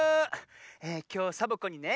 きょうサボ子にね